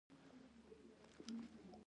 ځینې وایي خر پرېوتی دی.